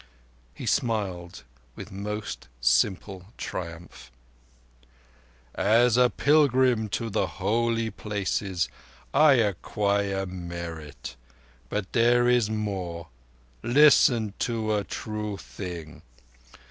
He smiled with most simple triumph. "As a pilgrim to the Holy Places I acquire merit. But there is more. Listen to a true thing.